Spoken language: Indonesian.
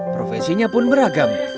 profesinya pun beragam